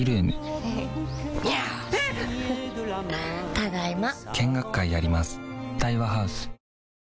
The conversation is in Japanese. ただいま。